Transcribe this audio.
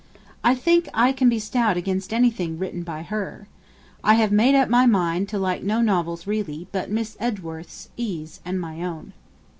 I think I can be stout against anything written by her. I have made up my mind to like no novels really, but Miss Edgeworth's, E.'s, and my own.'